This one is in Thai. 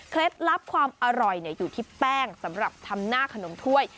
ลับความอร่อยอยู่ที่แป้งสำหรับทำหน้าขนมถ้วย